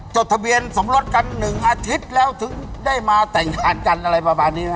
จดทะเบียนสมรสกัน๑อาทิตย์แล้วถึงได้มาแต่งงานกันอะไรประมาณนี้นะฮะ